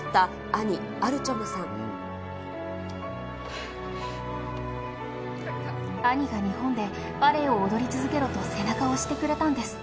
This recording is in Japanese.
兄が日本でバレエを踊り続けろと背中を押してくれたんです。